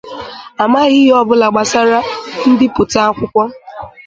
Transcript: Amaghị ihe ọbụla gbasara mbipụta akwụkwọ.